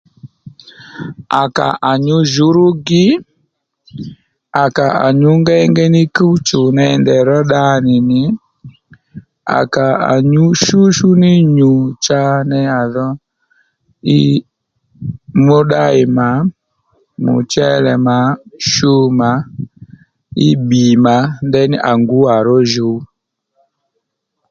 À kà à nyǔ jǔwrúgi à kà à nyǔ ngéyngéy ní kúw chù ney ndèy ró dda nì nì à kà à nyǔ shúshú ní nyu cha ney à dho mí mǒddáyì mà mòchelè mà shu mà ddí bbì mà ndeyní à ngǔ à ró jǔw